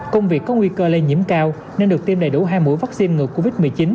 công việc có nguy cơ lây nhiễm cao nên được tiêm đầy đủ hai mũi vaccine ngừa covid một mươi chín